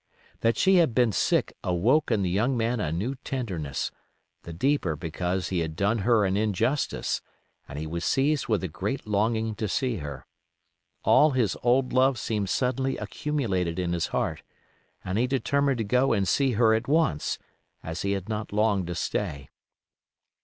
That she had been sick awoke in the young man a new tenderness, the deeper because he had done her an injustice; and he was seized with a great longing to see her. All his old love seemed suddenly accumulated in his heart, and he determined to go and see her at once, as he had not long to stay.